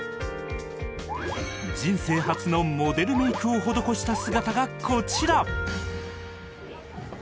人生初のモデルメイクを施した姿がこちら